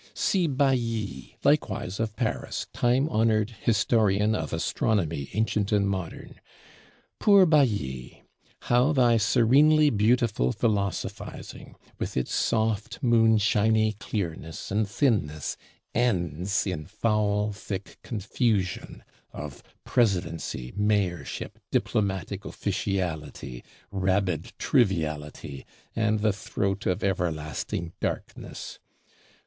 See Bailly, likewise of Paris, time honored Historian of Astronomy Ancient and Modern. Poor Bailly, how thy serenely beautiful Philosophizing, with its soft moonshiny clearness and thinness, ends in foul thick confusion of Presidency, Mayorship, diplomatic officiality, rabid Triviality, and the throat of everlasting Darkness!